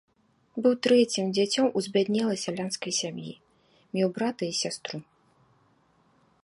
Быў трэцім дзіцем у збяднелай сялянскай сям'і, меў брата і сястру.